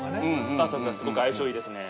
パスタとかすごく相性いいですね。